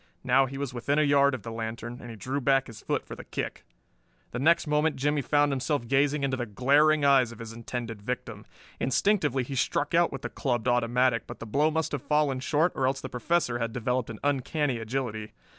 Now he was within a yard of the lantern, and he drew back his foot for the kick. Next moment Jimmie found himself gazing into the glaring eyes of his intended victim. Instinctively he struck out with the clubbed automatic, but the blow must have fallen short, or else the Professor had developed an uncanny agility.